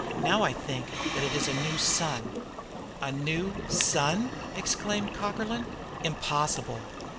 Now I think that it is a new sun." "A new sun!" exclaimed Cockerlyne. "Impossible!"